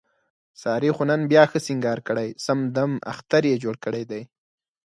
سارې خو نن بیا ښه سینګار کړی، سم دمم اختر یې جوړ کړی دی.